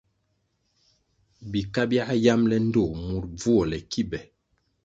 Bika biā yambʼle ndtoh mur bvuole ki be.